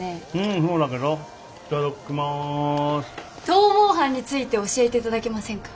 逃亡犯について教えて頂けませんか？